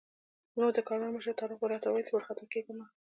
زموږ د کاروان مشر طارق به راته ویل چې وارخطا کېږه مه.